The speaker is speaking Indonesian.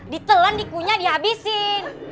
ditelan dikunyah dihabisin